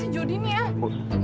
si jodi nih ah